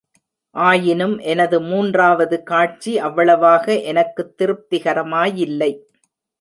ஆயினும் எனது மூன்றாவது காட்சி அவ்வளவாக எனக்குத் திருப்திகரமாயில்லை.